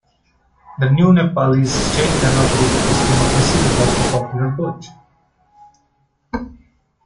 The new Nepalese state cannot be a People's Democracy without the popular vote.